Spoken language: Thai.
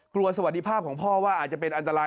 สวัสดีภาพของพ่อว่าอาจจะเป็นอันตราย